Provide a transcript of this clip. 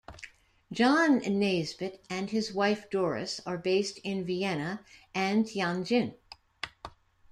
John Naisbitt and his wife Doris are based in Vienna and Tianjin.